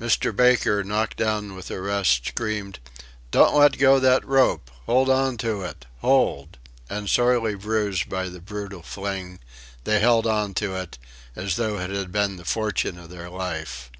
Mr. Baker, knocked down with the rest, screamed "Don't let go that rope! Hold on to it! Hold!" And sorely bruised by the brutal fling, they held on to it, as though it had been the fortune of their life.